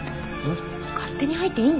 勝手に入っていいんですか？